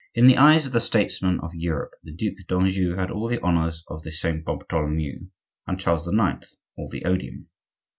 In the eyes of the statesmen of Europe the Duc d'Anjou had all the honors of the Saint Bartholomew, and Charles IX. all the odium.